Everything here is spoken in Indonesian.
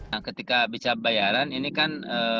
nah ketika bisa bayaran ini kan